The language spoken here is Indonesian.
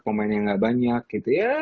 pemainnya gak banyak gitu ya